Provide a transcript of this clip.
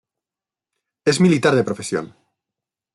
Es militar de profesión.